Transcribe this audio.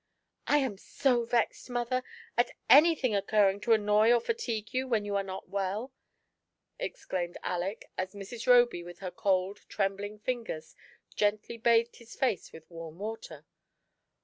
" I am so vexed, mother, at anything occurring to annoy or fatigue you when you are not well," exclaimed Aleck, as Mrs. Roby, \rith her cold, trembling fingers, gently bathed his face with warm water.